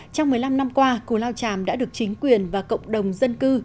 trong một mươi năm năm qua cù lao tràm đã được chính quyền và cộng đồng dân cư